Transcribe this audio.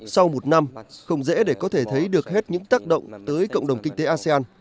sau một năm không dễ để có thể thấy được hết những tác động tới cộng đồng kinh tế asean